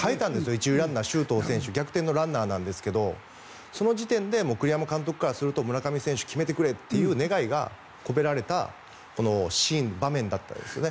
１塁ランナー、周東選手逆転のランナーなんですけどその時点で栗山監督からすると村上選手、決めてくれという願いが込められたこのシーン、場面でしたね。